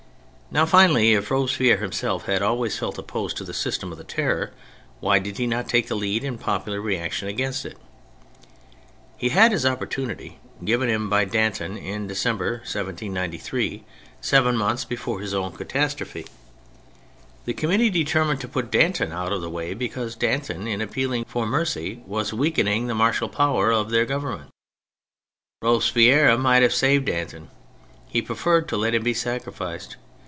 Now, finally, if Robespierre himself had always felt opposed to the system of the Terror, why did he not take the lead in the popular reaction against it ? He had his opportunity given him by Danton in December 1793 — seven months before his own catastrophe. The Committee 82 THE FRENCH REVOLUTION determined to put Danton out of the way because Danton, in appealing for mercy, was weakening the martial power of their government. Robespierre might have saved Danton : he preferred to let him be sacrificed.